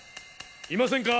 いませんか？